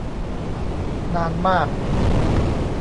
นานมาก